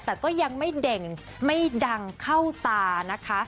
แต่ก็ยังไม่เด่งไม่ดังเข้าตานะคะ